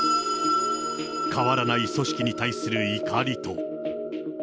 変わらない組織に対する怒りと。